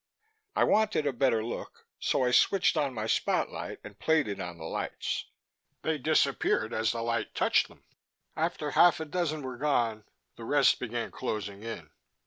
I wanted a better look, so I switched on my spotlight and played it on the lights. They disappeared as the light touched them. After half a dozen were gone, the rest began closing in.